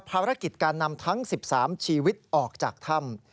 ภารกิจการนำทั้ง๑๓ชีวิตออกจากถ้ำ